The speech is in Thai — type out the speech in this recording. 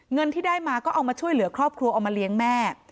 เงินที่ได้มาก็เอามาช่วยเหลือครอบครัวเอามาเลี้ยงแม่